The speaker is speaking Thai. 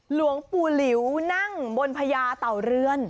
หลวงปู่หลิวนั่งบนพญาเต่าเรือน